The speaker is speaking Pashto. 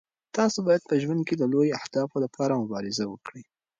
تاسو باید په ژوند کې د لویو اهدافو لپاره مبارزه وکړئ.